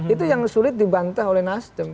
itu yang sulit dibantah oleh nasdem